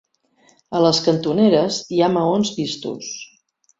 A les cantoneres hi ha maons vistos.